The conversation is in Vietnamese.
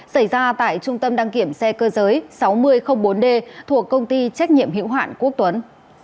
xảy ra tại trung tâm đăng kiểm xe cơ giới sáu nghìn bốn d thuộc công ty trách nhiệm hữu hạn quốc tuấn